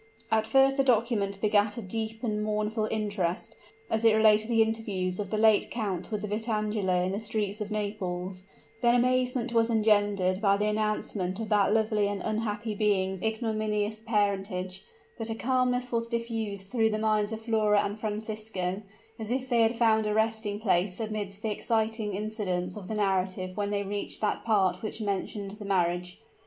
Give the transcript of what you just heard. At first the document begat a deep and mournful interest, as it related the interviews of the late count with Vitangela in the streets of Naples; then amazement was engendered by the announcement of that lovely and unhappy being's ignominious parentage but a calmness was diffused through the minds of Flora and Francisco, as if they had found a resting place amidst the exciting incidents of the narrative when they reached that part which mentioned the marriage.